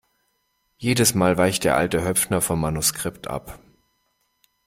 Jedes Mal weicht der alte Höpfner vom Manuskript ab!